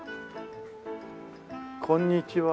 こんにちは。